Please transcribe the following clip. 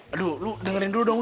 aduh lu dengerin dulu dong